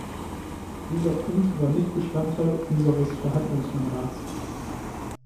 Dieser Punkt war nicht Bestandteil unseres Verhandlungsmandats.